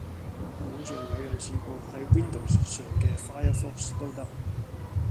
網上有人試過喺 Windows 上既 Firefox 都得